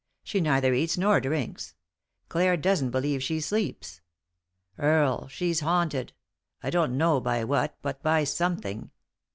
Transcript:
She neither eats nor drinks; Clare doesn't believe she sleeps. Earle, she's haunted — I don't know by what, but by something.